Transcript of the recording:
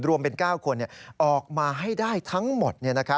รวมเป็น๙คนออกมาให้ได้ทั้งหมด